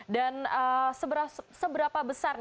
dan seberapa besar